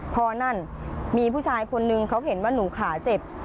พอนั่นมีผู้ชายคนนึงเขาเห็นว่าหนูขาเจ็บ